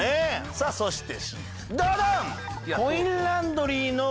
さあそしてＣドドン！